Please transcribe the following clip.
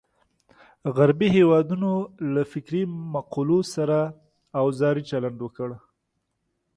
غربي هېوادونو له فکري مقولو سره اوزاري چلند وکړ.